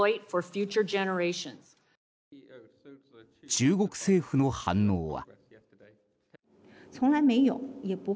中国政府の反応は。